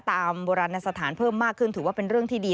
โบราณสถานเพิ่มมากขึ้นถือว่าเป็นเรื่องที่ดี